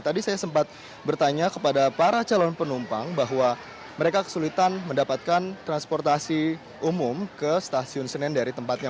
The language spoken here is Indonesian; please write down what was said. tadi saya sempat bertanya kepada para calon penumpang bahwa mereka kesulitan mendapatkan transportasi umum ke stasiun senen dari tempatnya